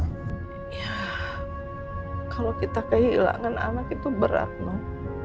ya kalau kita kehilangan anak itu berat non